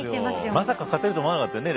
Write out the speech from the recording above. まさか勝てると思わなかったよね